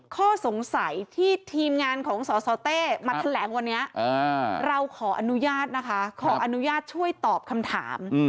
ข้อสงสัยที่ทีมงานของสสเต้มาแถลงวันนี้เราขออนุญาตนะคะขออนุญาตช่วยตอบคำถาม